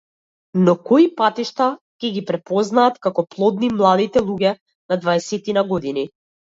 Но кои патишта ќе ги препознаат како плодни младите луѓе на дваесетина години?